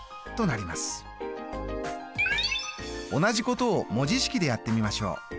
同じことを文字式でやってみましょう。